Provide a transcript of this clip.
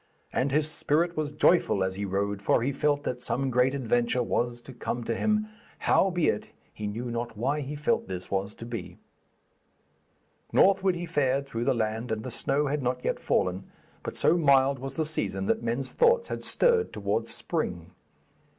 And his spirit was joyful as he rode, for he felt that some great adventure was to come to him, howbeit he knew not why he felt this was to be. Northward he fared through the land, and the snow had not yet fallen, but so mild was the season that men's thoughts had stirred towards spring.